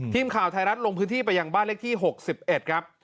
ทีมข่าวไทยรัฐลงพื้นที่ไปยังบ้านเลขที่๖๑ครับ